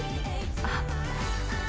あっ。